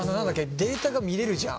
データが見れるじゃん。